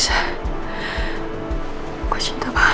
aku tidak bisa